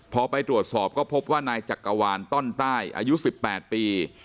พอไปตรวจสอบก็พบว่านายจักรวาลต้อนใต้อายุ๑๘ปี